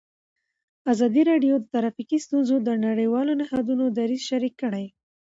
ازادي راډیو د ټرافیکي ستونزې د نړیوالو نهادونو دریځ شریک کړی.